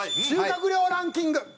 収穫量ランキング！